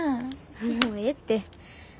もうええって。